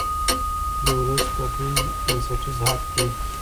د ولس ګډون بنسټیز حق دی